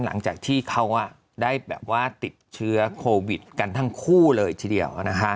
หลังจากที่เขาได้แบบว่าติดเชื้อโควิดกันทั้งคู่เลยทีเดียว